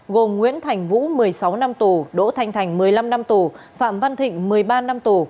gồm nguyễn thành vũ một mươi sáu năm tù đỗ thanh thành một mươi năm năm tù phạm văn thịnh một mươi ba năm tù